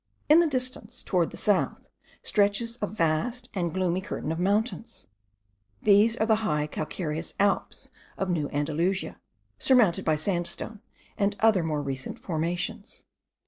In the distance, towards the south, stretches a vast and gloomy curtain of mountains. These are the high calcareous Alps of New Andalusia, surmounted by sandstone, and other more recent formations.